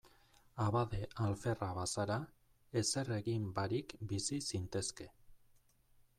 Abade alferra bazara, ezer egin barik bizi zintezke.